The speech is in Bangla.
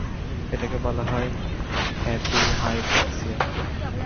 এটাকে বলা হয় হ্যাপি হাইপোক্সিয়া।